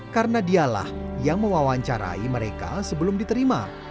karena dialah yang mewawancarai mereka sebelum diterima